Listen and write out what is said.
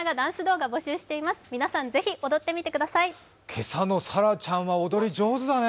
今朝のさらちゃんは踊り上手だね。